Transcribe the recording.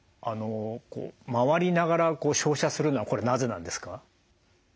回りながら照射するのはこれなぜなんですか？